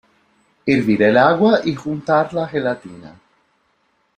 Hervir el agua y juntar la gelatina.